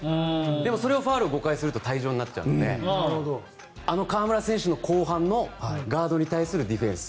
でも、それをファウル５回すると退場になっちゃうのであの河村選手の後半のガードに対するディフェンス。